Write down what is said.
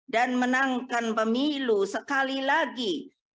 dan menangkan pemilu sekali lagi dua ribu dua puluh empat